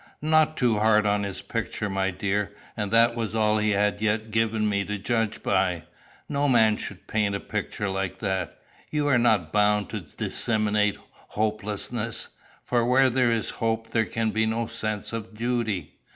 "Not too hard on his picture, my dear; and that was all he had yet given me to judge by. No man should paint a picture like that. You are not bound to disseminate hopelessness; for where there is no hope there can be no sense of duty."